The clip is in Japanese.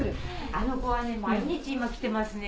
あの子は毎日今来てますね。